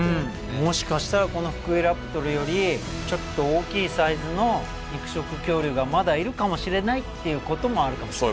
もしかしたらこのフクイラプトルよりちょっと大きいサイズの肉食恐竜がまだいるかもしれないっていうこともあるかもしれない。